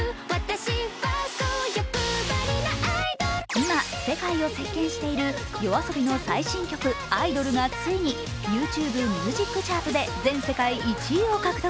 今、世界を席けんしているＹＯＡＳＯＢＩの最新曲「アイドル」がついにＹｏｕＴｕｂｅミュージックチャートで全世界１位を獲得。